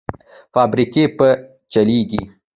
فابریکې به چلېږي؟